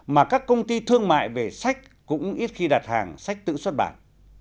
mà các công ty thương mại về sách cũng ít khi đặt hàng sách tự xuất bản